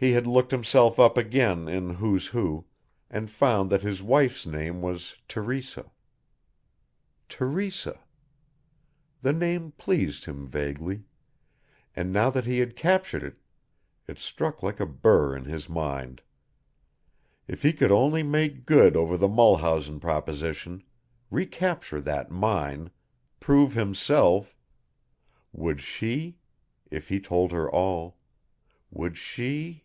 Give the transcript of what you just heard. He had looked himself up again in "Who's Who," and found that his wife's name was Teresa. Teresa. The name pleased him vaguely, and now that he had captured it, it stuck like a burr in his mind. If he could only make good over the Mulhausen proposition, re capture that mine, prove himself would she, if he told her all would she